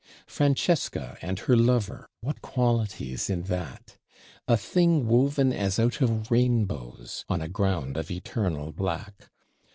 Francesca and her Lover, what qualities in that! A thing woven as out of rainbows, on a ground of eternal black.